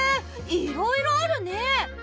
いろいろあるね。